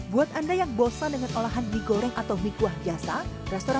buat anda yang bosan dengan olahan mie goreng atau mie kuah biasa